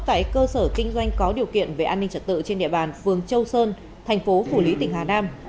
tại cơ sở kinh doanh có điều kiện về an ninh trật tự trên địa bàn phường châu sơn thành phố phủ lý tỉnh hà nam